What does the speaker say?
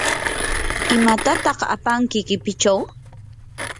¿imatataq apanki qipikichaw?